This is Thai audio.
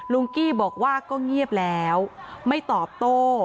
กี้บอกว่าก็เงียบแล้วไม่ตอบโต้